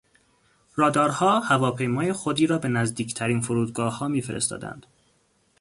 رادارها هواپیماهای خودی را به نزدیکترین فرودگاهها میفرستادند.